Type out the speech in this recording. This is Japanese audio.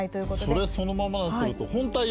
それそのままだとすると。